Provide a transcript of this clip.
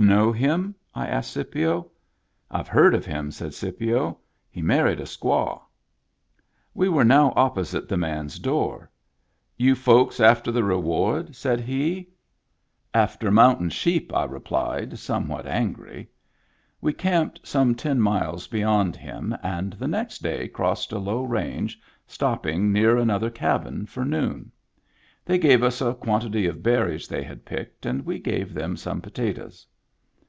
" Know him ?" I asked Scipio. " IVe heard of him," said Scipio. " He mar ried a squaw." We were now opposite the man's door. " You folks after the reward ?" said he. Digitized by Google 146 MEMBERS OF THE FAMILY "After mountain sheep," I replied, somewhat angry. We camped some ten miles beyond him, and the next day crossed a low range, stopping near another cabin for noon. They gave us a quan tity of berries they had picked, and we gave them some potatoes.